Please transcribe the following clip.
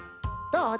どう？